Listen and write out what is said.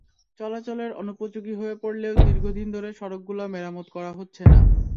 চলাচলের অনুপযোগী হয়ে পড়লেও দীর্ঘদিন ধরে সড়কগুলো মেরামত করা হচ্ছে না।